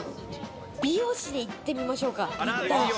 美容師で行ってみましょうか。